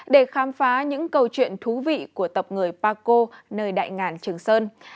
để khám phá những câu chuyện thú vị của tập người paco nơi đại ngàn trường sơn